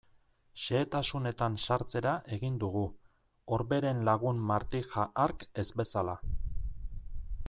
Xehetasunetan sartzera egin dugu, Orberen lagun Martija hark ez bezala.